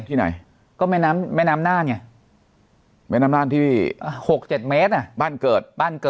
ที่ไหนก็แม่น้ำน่าเนี่ยแม่น้ำน่าที่๖๗เมตรบ้านเกิด